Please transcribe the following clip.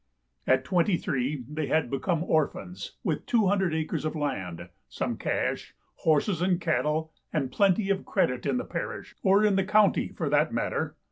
At twenty three they had become orphans, with two hundred acres of land, some cash, horses and cattle, and plenty of credit in the parish, or in the county, for that matter.